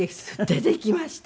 出てきました。